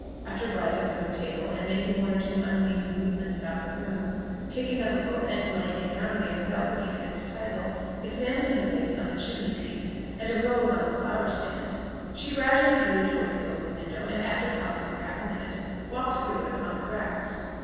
After rising from the table, and making one or two unmeaning movements about the room, taking up a book and laying it down again without looking at its title, examining a vase on the chimney piece and a rose on the flower stand, she gradually drew towards the open window, and after pausing for half a minute, walked through it upon the grass.